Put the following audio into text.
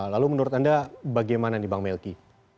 lalu menurut anda bagaimana nih bang melki